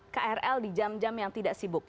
krl di jam jam yang tidak sibuk